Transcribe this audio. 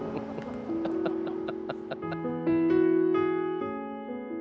アハハハ。